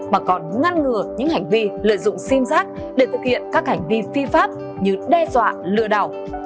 mà còn ngăn ngừa những hành vi lợi dụng sim giác để thực hiện các hành vi phi pháp như đe dọa lừa đảo